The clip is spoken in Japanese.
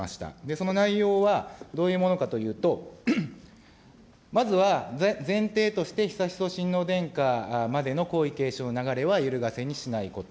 その内容はどういうものかというと、まずは、前提として悠仁親王殿下までの皇位継承の流れはゆるがせにしないこと。